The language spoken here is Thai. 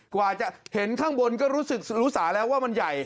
กว่าจะเห็นข้างบนก็รู้สึกรู้สาแล้วว่ามันใหญ่